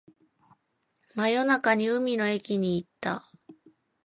真夜中に海の駅に行った